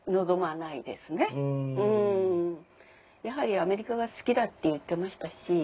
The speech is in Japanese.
やはりアメリカが好きだって言ってましたし。